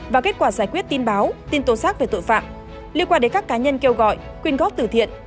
và kết quả giải quyết tin báo tin tố xác về tội phạm liên quan đến các cá nhân kêu gọi quyên góp tử thiện